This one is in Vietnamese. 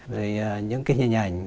rồi những cái hình ảnh